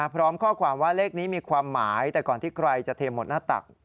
พร้อมข้อความว่าเลขนี้มีความหมายแต่ก่อนที่ใครจะเทหมดหน้าตัก